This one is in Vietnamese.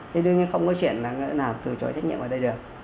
thì đương nhiên không có chuyện là ngân hàng từ chối trách nhiệm vào đây được